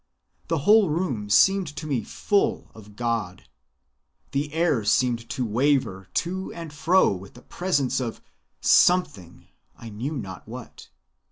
The whole room seemed to me full of God. The air seemed to waver to and fro with the presence of Something I knew not what.